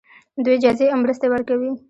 دوی جایزې او مرستې ورکوي.